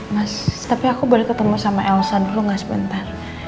mas tapi aku boleh ketemu sama elsa dulu gak sebentar